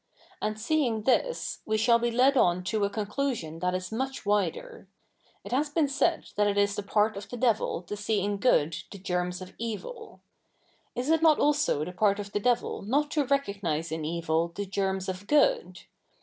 A?id seeing this, we shall be led o?i to a conclusion that is much wider. It has bee ft said that it is the part of the devil to see i?i good the germs of evil. Is it not also the part of the devil not to recognise i?i evil the ger?ns of good